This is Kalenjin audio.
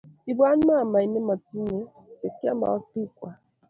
ibwat mamait me matinyei chekiamei ak bik kwai